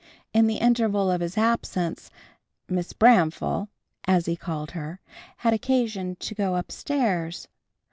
In the interval of his absence, "Mis' Bramfeel" as he called her, had occasion to go up stairs.